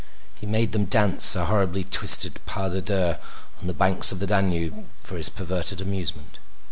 He made them dance a horribly twisted pas de deux on the banks of the Danube for his perverted amusement.